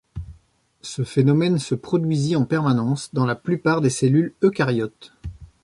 Ce phénomène se produit en permanence dans la plupart des cellules eucaryotes.